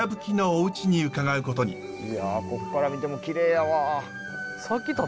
いやこっから見てもきれいやわ。